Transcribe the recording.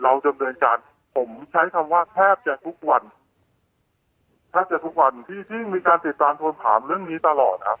ดำเนินการผมใช้คำว่าแทบจะทุกวันแทบจะทุกวันที่ที่มีการติดตามทวงถามเรื่องนี้ตลอดครับ